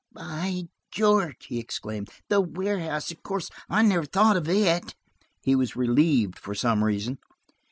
"By George!" he exclaimed. "The warehouse, of course. I never thought of it!" He was relieved, for some reason.